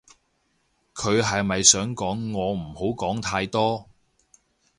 佢係咪想講我唔好講太多